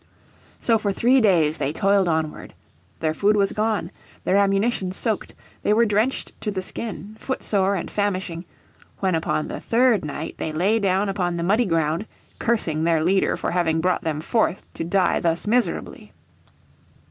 So for three days they toiled onward. Their food was gone, their ammunition soaked, they were drenched to the skin, footsore and famishing, when upon the third night they lay down upon the muddy ground, cursing their leader for having brought them forth to died thus miserably.